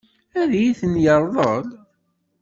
Ad iyi-ten-yeṛḍel?